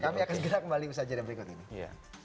kami akan gerak kembali ke usai jadinya berikut ini